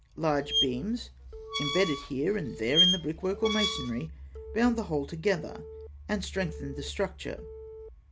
Large beams, embedded here and there in the brickwork or masonry, bound the whole together, and strengthened the structure.